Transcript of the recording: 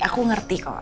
aku ngerti kok